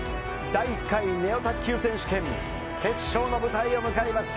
第１回ネオ卓球選手権決勝の舞台を迎えました。